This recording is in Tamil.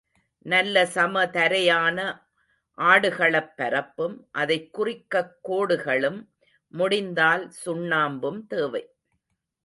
நல்ல சம தரையான ஆடுகளப் பரப்பும், அதைக் குறிக்கக் கோடுகளும், முடிந்தால் சுண்ணாம்பும் தேவை.